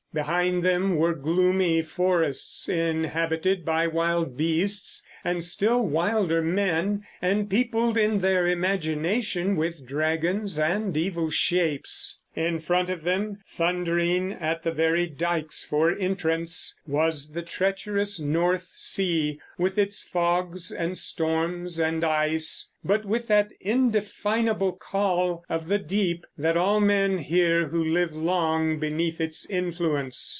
Behind them were gloomy forests inhabited by wild beasts and still wilder men, and peopled in their imagination with dragons and evil shapes. In front of them, thundering at the very dikes for entrance, was the treacherous North Sea, with its fogs and storms and ice, but with that indefinable call of the deep that all men hear who live long beneath its influence.